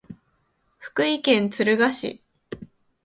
福井県敦賀市